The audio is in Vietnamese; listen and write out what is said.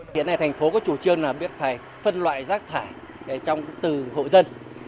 hiện nay thành phố có chủ trương là biết phải phân loại rác thải trong từ hộ dân